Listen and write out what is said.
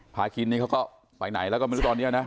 พาคินนี่เขาก็ไปไหนแล้วก็ไม่รู้ตอนนี้นะ